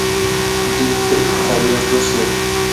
دوی څه اقتصادي ارزښت لري.